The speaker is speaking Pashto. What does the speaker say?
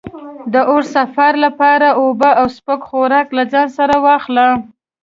د اوږد سفر لپاره اوبه او سپک خوراک له ځان سره واخله.